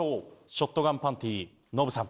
ショットガンパンティノブさん